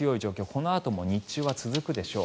このあとも日中は続くでしょう。